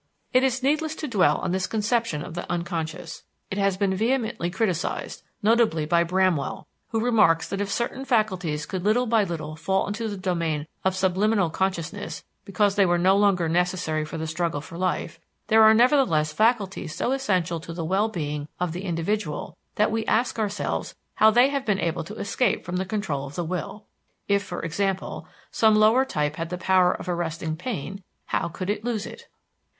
It is needless to dwell on this conception of the unconscious. It has been vehemently criticised, notably by Bramwell, who remarks that if certain faculties could little by little fall into the domain of subliminal consciousness because they were no longer necessary for the struggle for life, there are nevertheless faculties so essential to the well being of the individual that we ask ourselves how they have been able to escape from the control of the will. If, for example, some lower type had the power of arresting pain, how could it lose it?